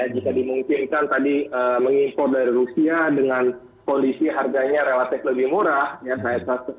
jika dimungkinkan tadi mengimpor dari rusia dengan kondisi harganya relatif lebih murah ya